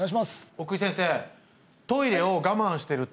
奥井先生